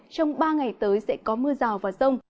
trong ba ngày tới sẽ có mưa rào và rông